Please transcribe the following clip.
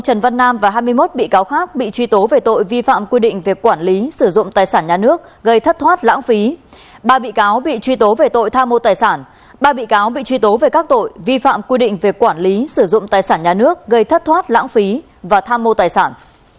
trong vụ án này cựu bí thư tp bình dương trần văn nam và hai mươi một bị cáo khác bị truy tố về tội vi phạm quy định về quản lý sử dụng tài sản nhà nước gây thất thoát lãng phí và tham mô tài sản